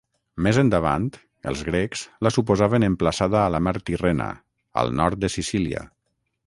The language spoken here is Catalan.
Més endavant, els grecs la suposaven emplaçada a la mar Tirrena, al nord de Sicília.